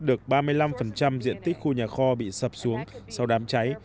được ba mươi năm diện tích khu nhà kho bị sập xuống sau đám cháy